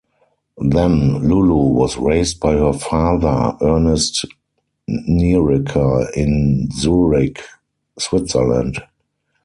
Then, Lulu was raised by her father, Ernest Nieriker, in Zurich, Switzerland.